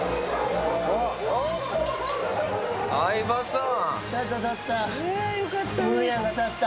相葉さん。